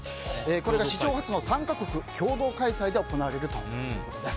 これが史上初の３か国共同開催で行われるということです。